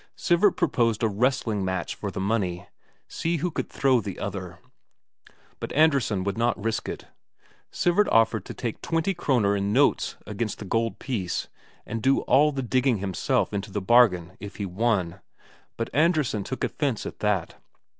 Sivert proposed a wrestling match for the money see who could throw the other; but Andresen would not risk it. Sivert offered to stake twenty Kroner in notes against the gold piece, and do all the digging himself into the bargain if he won; but Andresen took offence at that.